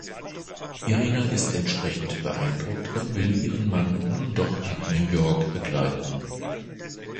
Irina ist entsprechend beeindruckt und will ihren Mann nun doch nach New York begleiten.